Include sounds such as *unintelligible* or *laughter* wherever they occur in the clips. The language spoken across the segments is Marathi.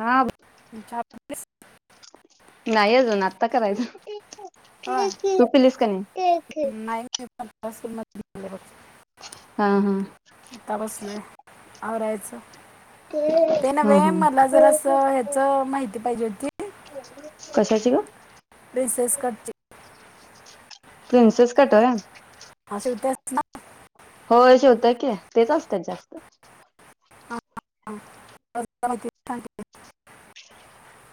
हा चहा पिलीस? नाही अजून आता करायचं. होय तू पिलीस का नाही? *unintelligible* हा हा. आता बसलोय आवरायचं. ते हा नव्हे हा मला जरासं हेच माहिती पाहिजे होती कशाची ग? प्रिन्सेस कट ची. प्रिन्सेस कट होय. हा, शिवत्यास? हो शिवतोय की तेच असतात जास्त. *unintelligible*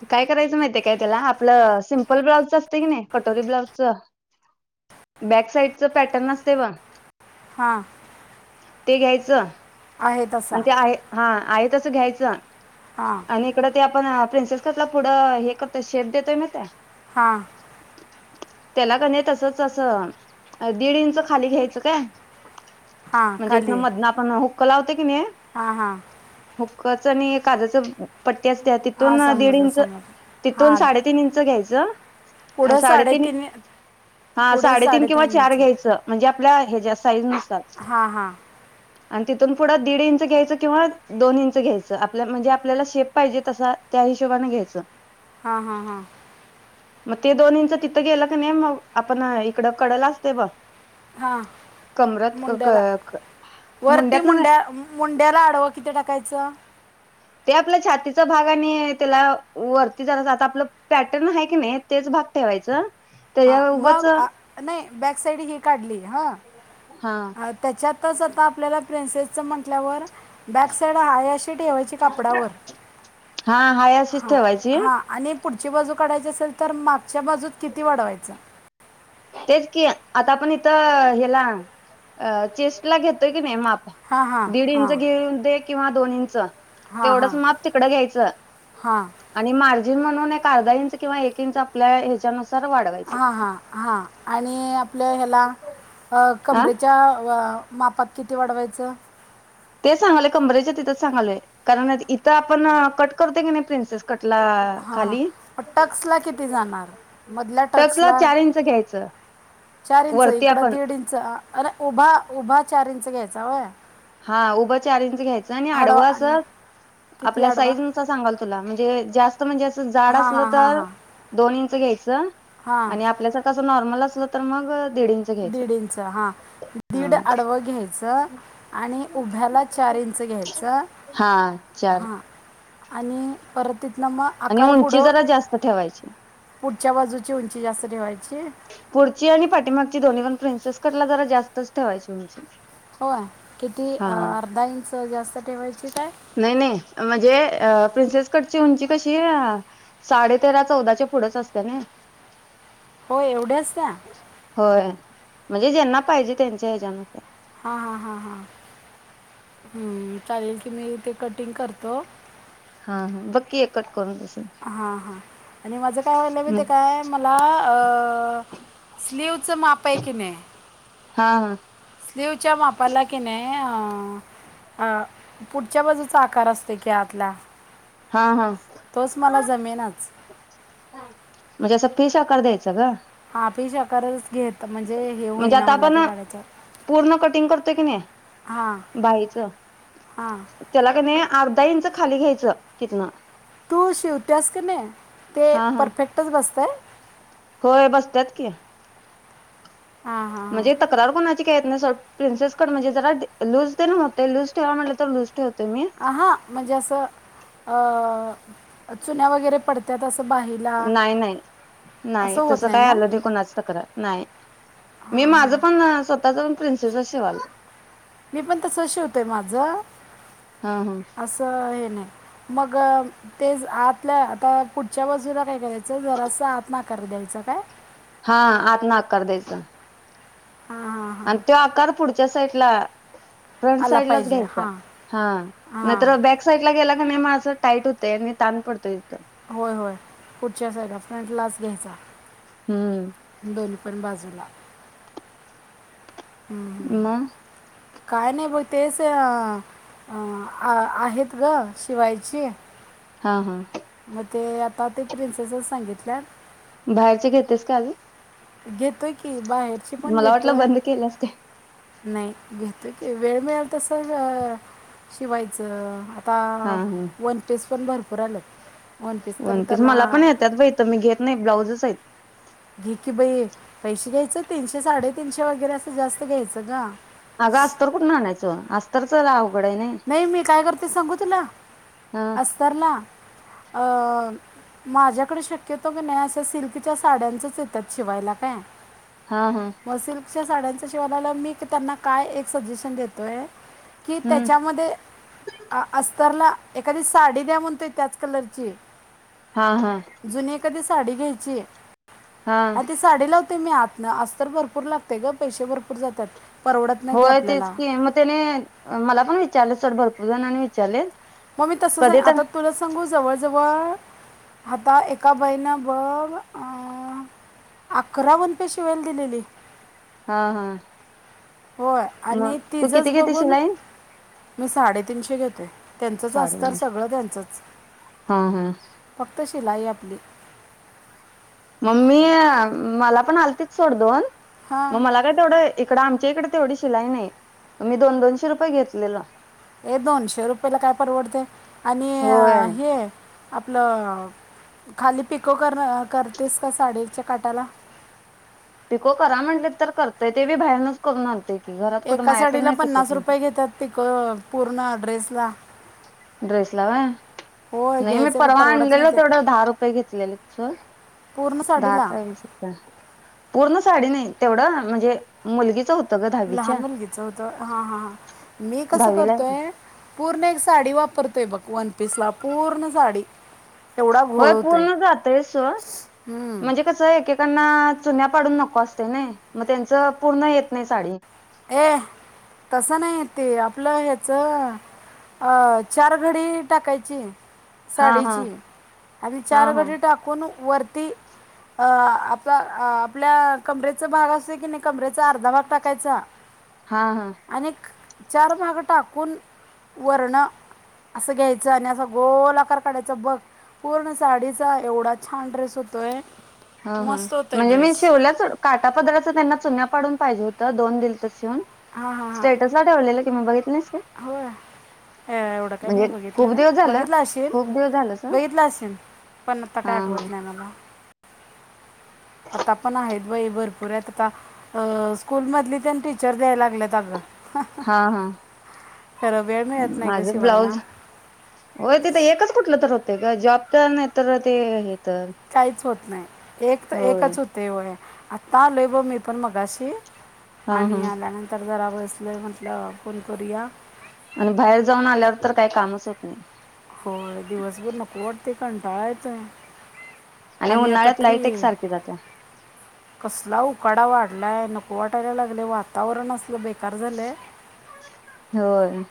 काय करायचं माहितय काय त्याला आपलं सिम्पल ब्लाउजचं असते की नाही कटोरी ब्लाउजचं बॅक साइडचं पॅटर्न नसतय ब हां ते घ्यायचं आहे तसा आणि ते आहे हा आहे तसं घ्यायचं हां आणि इकड ते आपण प्रिन्सेस करला पुढं हे करतोय शेप देतोय माहित्या हां त्याला कणी तसच असं दीड इंच खाली घ्यायचं काय हां म्हणजे इथन मधन आपण हुक्क लावतोय कणी हा हा हुक्काच आणि काजाचं पट्टी असत्या हां तिथून दीड समजलं इंच समजलं तिथून हां साडेतीन इंच घ्यायचं. आणि साडेतीन हा पुढं साडेतीन किंवा चार साडेतीनचं घ्यायचं. म्हणजे आपल्या याच्या साईजनुसार. हां हां. आणि तिथून पुढं दीड इंच घ्यायचं किंवा दोन इंच घ्यायचं आपल्या म्हणजे आपल्याला शेप पाहिजे तसा त्या हिशोबानं घ्यायचं. हा हा हा. मग ते दोन इंच तिथं गेलं की नाही मग आपण इकडं कडला असते बग हा मुंड्याला वरती मुंड्यात न मुंड्या मुंड्याला आडवं किंती टाकायचं? ते आपला छातीचा भाग आणि त्याला वरती जरायच आता आपलं पॅटर्न आहे की नाही. तेच भाग ठेवायच. हा मग नाही बॅक साईड ही काढली हं हा अ त्याच्यातच आता आपल्याला प्रिन्सेसचं म्हटल्यावर. बॅक साईड हाय अशी ठेवायची कपडावर हा हाय अशीच हां ठेवायची हां. आणि पुढची बाजू काढायची असेल तर मागच्या बाजूत किती वाढवायचं? तेच कि आता आपण इथं अ हेला चेस्ट ला घेतोय की नाही माप. हां हां दीड हां इंच घेऊन दे किंवा दोन इंच. हां हां तेवढंच माप तिकडं घ्यायचं. हां आणि मार्जिन म्हणून एक अर्धा इंच किंवा एक इंच आपल्या ह्याच्यानुसार वाढवायच. हां हां हां आणि आपल्या ह्याला अ हा कमरेच्या अ मापात किती वाढवायचं? तेच सांगालोय कमरेच्या तिथंच सांगालोय. कारण इथं आपण कट करते की नाही प्रिन्सेस कटला खाली. टक्स ला किती जाणार मधल्या टक्सला. चार इंच घ्यायचं. चार इंच वरती इकड आपण दीड इंच अ अरे उभा उभा चार इंच घ्यायचा होय. हा उभं चार इंच घ्यायचं आणि आडवा आडवं आणि असं किती आपल्या आडवा साईज सांगाल तुला. म्हणजे जास्त म्हणजे अस जाड हां असलं हां हां तर हां दोन इंच घ्यायच. आणि हां आपल्यासारख अस नॉर्मल असल तर मग दिड इंच. घ्यायचं दीड इंच हा, हा दीड आडवं घ्यायचं. आणि उभ्याला चार इंच घ्यायचं हा चार हां. आणि परत तिथंनं मग आणि आकार उंची पुढं जरा जास्त ठेवायची पुढच्या बाजूची उंची जास्त ठेवायची. पुढची आणि पाठीमागची दोन्ही पण प्रिन्सेस कटला जरा जास्तच ठेवायची उंची. होय, किती हा अर्धा इंच जास्त ठेवायची काय? नाही नाहीम्हणजे अ प्रिन्सेस कटची उंची कशी साडे तेरा, चौदाच्या, पुढंच असते न‌ई. होय एवढी असत्या. होय म्हणजे ज्यांना पाहिजे त्यांच्या हे जानुसार. हां हां हां हां हमं चालेल की मी तेे कटिंग करतो. हा हा बागकी एक कट करून तसं. हां हां आणि माझं काय व्हायले माहित आहे काय मला अ स्लीवचं माप आहे की नाही हा हा. स्लीवच्या मापाला कि नाही, अ अ. पुढच्या बाजूचा आकार असतय की आतला हां हां. तोच मला जमेनाच. म्हणजे असा फिश आकार द्यायचा गं. हा फिश आकारच घे म्हणजे, हे म्हणजे होईना आता मला आपण ते काढायचं,. पूर्ण कटिंग करतोय क नाही हां... बाईचं हा... त्याला क नाही. अर्धा इंच खाली घ्यायचं तिथनं. तू शिवत्यास क नाही, ते हा हा परफेक्टच बसतय?. होय बसत्यात की. हा... हा... हां तकरार कोणाची काय येत नाही होड़,, प्रिन्सेसकट म्हणजे जरा लूज तेण होतय,. लूज ठेवा म्हटलं, तर लूज ठेलतोय मी. अं हा म्हणजे असं, अ चुन्या वगैरे पडत्यात असं बाहित? नाही नाही नाही, तसं काय आलं नाही, कुणाच तक्रार नाही. मी माझ पण स्वतःच पण प्रिन्सेसच शिवालो मी पण तस शिवतोय माझं. हा हा असं हे नाही. मग तेच, आतल्या आता पुढच्या बाजूला काय करायचं. जरासं आतनं आकार द्यायचा काय? हा, आतनं आकार द्यायचा. हा, आणि तो आकार पुढच्या साईटला फ्रंट आला साईड लाच पाहिजे घ्यायचा,,, हां हा,, हां नाहितर बॅक साईड ला गेला का नाही, मा असं टाईट होतय. आणि ताण पडतोय तीथं. होय.. होय.. पुढच्या साईडलाच,, फ्रंटलाच घ्यायचा. हम्म दोनीपण बाजूला. हम्म मग काय नाही ब तेच अ आहेत गं, शिवायची हा हा. मग ते आता ते प्रिंसेसस सांगितल्यात बाहेरचे घेतेस काय आजू घेतोय की,, बाहेरची पण मला वाटलं घेतोय बंद केलंस काय नाही घेतो की, वेळ मिळेल तस शिवायचं. आता, हा हा वन पीस पण भरपुर आल्यात. वन पीस, मला पण येत्यात बई इथं, मी घेत नाही, ब्लाउजच हाईत. घे की बई,, पैसे घ्यायचं तीनशे साडेतीनशे वगैरे असं जास्त घ्यायचं गं. अगं अस्तर कुटनं आणायचं.? अस तर च अवघड आय नाही. नाही मी काय करतोय सांगू तुला,, हा अस्तरला,, अ माझ्याकडे शक्यतो की नाही अशा सिल्कच्या साड्यांचेच येत्यात शिवायला काय हा हा. म सिल्कच्या साड्यांचा शिवाला आल्यावर मी त्यांना काय एक सजेशन देतोय,, की हम्म मध्ये अ अस्तरला एखादी साडी द्या म्हणतोय त्याच कलरची. हा हा. जुनी एखादी साडी घ्यायची, हा आधीच साडी लावतोय मी आतनं, अस्तर भरपूर लागतंय गं पैसे भरपूर जातात. परवडत नाही ते होय तेच आपल्याला की, मग त्याने मला पण विचारलं सोड भरपूर जणांनी विचारले. मग मी तसंच आहे, कधी तर आता तुला सांगू जवळजवळ आता एका बाईनं बघ अ अकरा वनपीस शिवायला दिलेली. हा हा. होय मग आणि तू तिजंच किती घेते बघून, शिलाई मी साडेतीनशे घेते. त्यांचंच अस्तर साडेतीनशे सगळं त्यांचंच, हा हा फक्त शिलाई आपली. मग मी अ मला पण आलतीत सोड दोन, मग हां मला काय तेवढं इकडं आमच्या इकडे तेवढी शिलाई नाही, मी दोन दोनशे रुपये घेतलेलं. ए दोनशे रुपयाला काय परवडतंय आणि होय हे‌ आपलं खाली पिको कर करतेस का साडीच्या काटाला? पिको करा म्हटले तर करतंय, ते बी बाहेरनंच करून आणतोय की घरात कुठं, एका मायाकडे साडीला नाही पिको पन्नास रुपये घेतात पिको पूर्ण ड्रेस ला. ड्रेसला व्हय, होय नाही मी घ्यायचं परवा परवडत नाही आणलेलो ते तेवढं दहा रुपये घेतलेलं तिचं. पूर्ण साडीला दहा *unintelligible* पूर्ण साडी नाही तेवढं म्हणजे मुलगीचा हो लहान मुलगीचं होतं हा हा, मी कसं दहावीला आहे. करतोय पूर्ण एक साडी वापरतोय बघ वनपीसला पूर्ण साडी. एवढा होय घोळ होतोय पूर्ण जातंयच सोड, हम्म. म्हणजे कसं एकेकांना चुन्या पाडून नको असतंय नाय, मग त्यांचं पूर्ण येत नाही साडी. ए तसं नाही ते आपलं ह्याचं अ चार घडी टाकायची हा हा साडीची आणि हा चार हा घडी टाकून वरती अ आपला अ आपल्या कमरेचा भाग असतोय की नाही कमरेचा अर्धा भाग टाकायचा. हा हा. आणिक चार भाग टाकून वरनं असं घ्यायचं आणि असं गोल आकार काढायचं बघ. पूर्ण साडीचा एवढा छान ड्रेस होतोय. हा हा, मस्त होतोय म्हणजे मी ड्रेस शिवल्या सोड. काटा पदराचं त्यांना चुन्या पाडून पाहिजे होतं, दोन दिलतं शिऊन. हा हा हा. ला ठेवलेलं की मी, बघितलं नाहीस काय? होय? एवढं काही मी म्हणजे बघितलं खूप नाही, दिवस झालं बघितलं अशिन खूप दिवस झालं स बघितलं अशीन, पण आता काय हा हा आठवत नाही मला. आता पण आहेत बाई भरपूर आहेत आता, अ स्कूल मधली तेन टीचर द्यायला लागल्यात अगं. हा हा खरं वेळ मिळत नाही गं‌ शिवायला. हो तिथं एकच कुठलं तर होते गं जॉब तर नाही तर ते हे तर. काहीच होत नाही, एक तर होय एकच होत तय होय, आत्ता आलोय बघ मी पण मगाशी हा हा आणि आल्यान तर जरा बसले म्हटलं फोन करूया. आणि बाहेर जाऊन आल्यावर तर काही कामच होत नाही. होय, दिवसभर नको वाटतंय कंटाळा येतोय. आणि आता उन्हाळ्यात लाईट एक तरी सारखी जात्या. कसला उकाडा वाढलाय. नको वाटायला लागलय. वातावरण असलं बेकार झालंय. होय.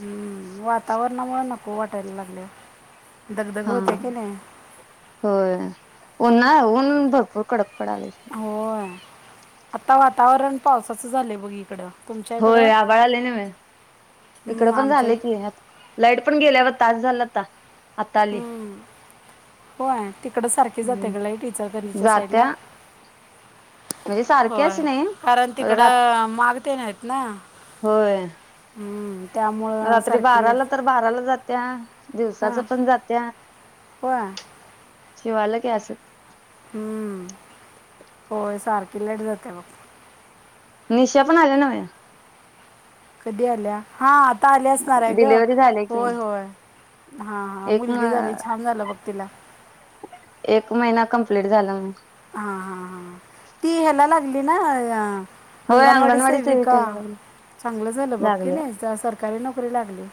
हम्म. वातावरणामुळे नको वाटायला लागलय. दगदग हा होत्याय की नाही. होय. ऊन्हा- ऊन भरपूर कडक पडालय. होय. आता वातावरण, पावसाचं झालंय बघ इकडं. तुमच्या होय. इकडं आबाळ आले ना म. हम्म, इकडं पण आमच्या झालय की, इक- आता लाईट पण गेल्याव, तास झालं आता. आता आली. हम्म. होय. तिकडं सारखी जाते का लाईट? इचं गल्लीच्या साईडला. जात्या म्हणजे सारखी होय. अशी नाही कारण रात तिकडं, माग तेन हायत ना. होय हम्म. त्यामुळं रात्री सारखी बाराला तर, लाईट बाराला जात्या. हां दिवसाचं पण जात्या. होय शिवायल की, असं. हम्म. होय, सारखी लाईट जात्या बघ. निशा पण आल्या नव्हे. कधी आल्या? हा, आता आल्या असणाराय गं. डिलिव्हरी झाली की होय, होय. हा, हा. एक म मुलगी झाली, छान झालं बघ तिला. एक महिना कंप्लीट झाला मग. हा, हा, हा. ती ह्याला लागली ना अ होय अंगणवाडी सेविका. सेविकेला लागले. चांगलं झालं बघ, की लागले नाही. सरकारी नोकरी लागली.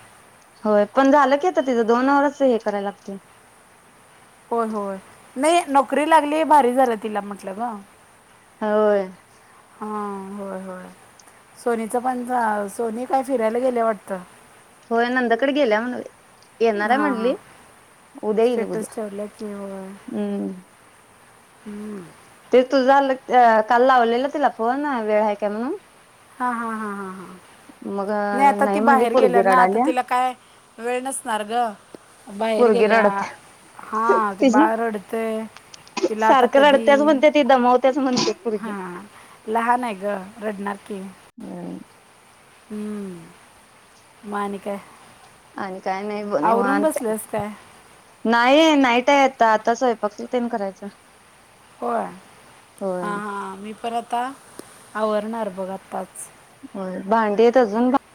होय. पण झालं की आता तिज. दोन वरच हे करायला लागतय. होय, होय. नाही, नोकरी लागली भारी झालं तिला, म्हटलं ग. होय. हा. होय, होय. सोनीचं पण चा, सोनी काय फिरायला गेलेय वाटतं. होय, नंदाकड गेल्या म्हण बाई. येणारय हां हां म्हणली. उद्या यील स्टेटस उद्या. हम्म. हम्म. ते तुझा झालं, काल लावलेलं तिला फोन. वेळ हाय काय म्हणून. हा, हां, हां, हां, हां. मग नाही, आता ती म्हणली बाहेर गेल्या पोरगी ना. आता रडाल्या तिला काय, वेळ नसणार गं. बाहेर पोरगी गेल्या. रडत्या हा, ते तिची बाळ रडतय. सारखं रडत्याच म्हणते ती. दमावत्याच म्हणते पुर्गी. लहानाय गं. रडणार की. हम्. हम्म. म आणि काय? आणि काय नाही ब, आवरून निवांत. बसलेस काय नाही, नाही त्या येत. आता स्वयंपाक तेन करायचा. होय. होय हां, हां. मी पर आता, आवरणार बघ, आत्ताच. होय. भांडेेयत अजून घा